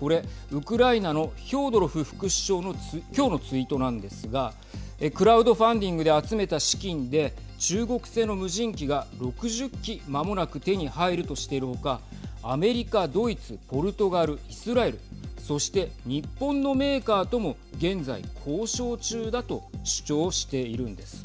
これ、ウクライナのヒョードロフ副首相のきょうのツイートなんですがクラウドファンディングで集めた資金で中国製の無人機が６０機まもなく手に入るとしているほかアメリカ、ドイツポルトガル、イスラエルそして、日本のメーカーとも現在、交渉中だと主張しているんです。